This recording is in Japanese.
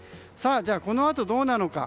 このあと、どうなのか。